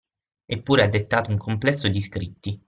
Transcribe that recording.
Eppure ha dettato un complesso di scritti